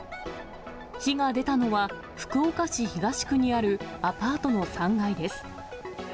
火が出たのは、福岡市東区にあるアパートの３階です。